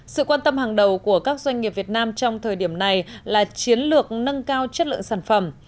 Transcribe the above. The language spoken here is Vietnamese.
sự quan tâm hàng đầu của các doanh nghiệp việt nam trong thời điểm này là chiến lược nâng cao chất lượng sản phẩm